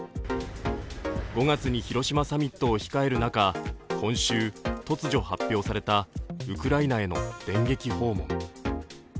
５月に広島サミットを控える中、今週、突如発表されたウクライナへの電撃訪問。